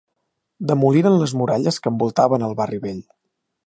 Demoliren les muralles que envoltaven el barri vell.